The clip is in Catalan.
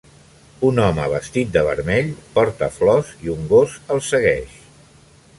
Un home vestit de vermell porta flors i un gos el segueix.